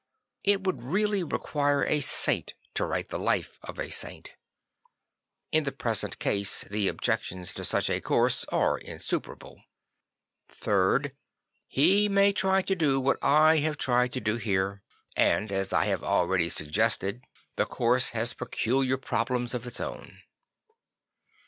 It would really require a saint to write the life of a saint. In the present case the objections to such a course are insuperable. Third, he may try to do what I have tried to do here; and, as I have already suggested, 10 St. Francis of Assisi the course has peculiar problems of its own.